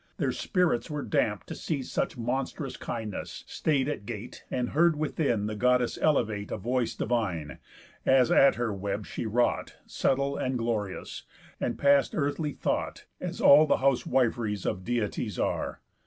Their spirits were damp'd To see such monstrous kindness, stay'd at gate, And heard within the Goddess elevate A voice divine, as at her web she wrought, Subtle, and glorious, and past earthly thought, As all the housewif'ries of Deities are.